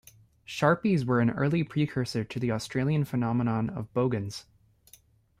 Sharpies were an early precursor to the Australian phenomenon of bogans.